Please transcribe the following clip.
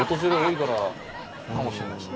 かもしれないですね。